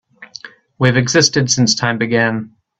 We've existed since time began.